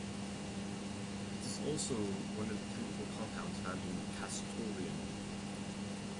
It is also one of the chemical compounds found in castoreum.